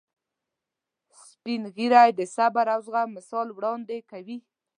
سپین ږیری د صبر او زغم مثال وړاندې کوي